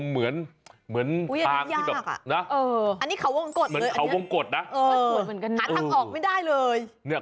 เหมือนทางที่แบบนะอันนี้เขาวงกฎเลยหาทางออกไม่ได้เลย